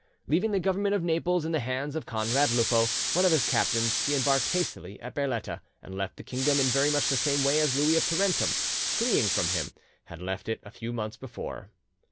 Leaving the government of Naples in the hands of Conrad Lupo, one of his captains, he embarked hastily at Berletta, and left the kingdom in very much the same way as Louis of Tarentum, fleeing from him, had left it a few months before.